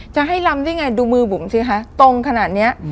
จะให้ลำได้ไงดูมือบุ๋มสิคะตรงขนาดนี้